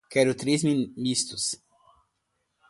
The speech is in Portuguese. Quero três mistos